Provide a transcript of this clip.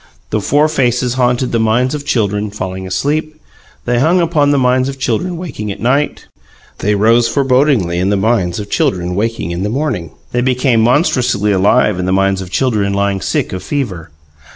The four faces haunted the minds of children falling asleep; they hung upon the minds of children waking at night; they rose forebodingly in the minds of children waking in the morning; they became monstrously alive in the minds of children lying sick of fever.